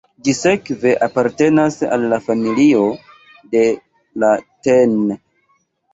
Ĝi sekve apartenas al la familio de la tn.